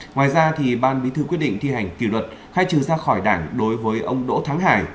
ngoài ra ban bí thư quyết định thi hành kỷ luật khai trừ ra khỏi đảng đối với ông đỗ thắng hải